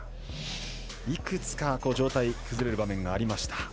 いくつか上体崩れる場面がありました。